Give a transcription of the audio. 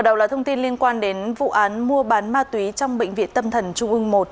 đầu là thông tin liên quan đến vụ án mua bán ma túy trong bệnh viện tâm thần trung ương một